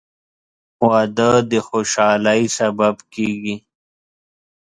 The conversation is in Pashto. • واده د خوشحالۍ سبب کېږي.